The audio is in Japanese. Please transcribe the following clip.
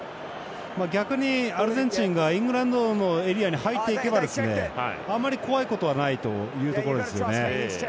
逆にアルゼンチンがイングランドのエリアに入っていけばあまり怖いことはないというところですよね。